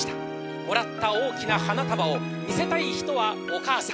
もらった大きな花束を見せたい人はお母さん。